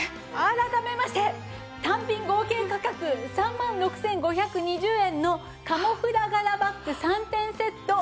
改めまして単品合計価格３万６５２０円のカモフラ柄バッグ３点セット